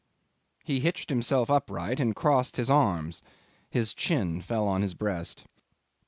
He hitched himself upright and crossed his arms; his chin fell on his breast.